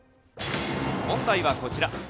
問題はこちら。